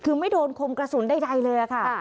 คือไม่โดนคมกระสุนใดเลยค่ะ